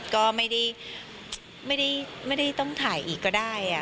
ก็ไม่ได้ต้องถ่ายอีกก็ได้